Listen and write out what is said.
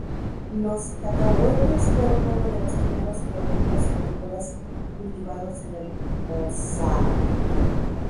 Los cacahuetes fueron uno de los primeros productos agrícolas cultivados en el moshav.